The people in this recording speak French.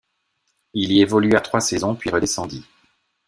Il y évolua trois saisons puis redescendit.